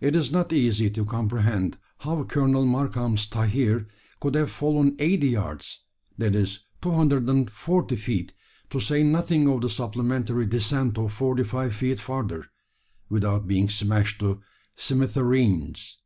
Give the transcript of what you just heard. It is not easy to comprehend how Colonel Markham's tahir could have fallen eighty yards that is, 240 feet to say nothing of the supplementary descent of forty five feet further without being smashed to "smithereens."